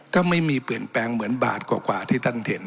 ก็ไม่มีเปลี่ยนแปลงเหมือนบาทกว่าที่ท่านเห็น